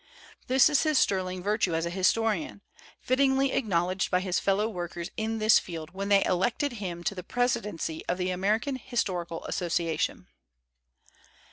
This is his sterling virtue as a historian, fittingly acknowledged by his fellow workers in this field when they elected him to the presidency of the American Historical Asso ciation.